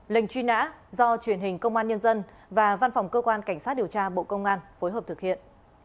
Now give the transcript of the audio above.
lệnh truy nã do truyền hình công an nhân dân và văn phòng cơ quan cảnh sát điều tra bộ công an phối hợp thực hiện